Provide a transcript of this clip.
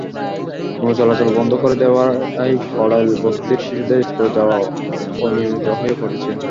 নৌ-চলাচল বন্ধ করে দেওয়ায় কড়াইল বস্তির শিশুদের স্কুলে যাওয়া অনিয়মিত হয়ে পড়েছে।